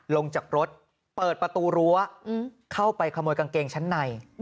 ลงจากรถเปิดประตูรั้วเข้าไปขโมยกางเกงชั้นใน